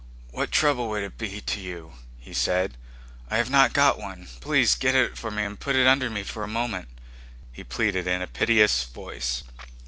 "What trouble would it be to you?" he said. "I have not got one. Please get it for me and put it under for a moment," he pleaded in a piteous voice.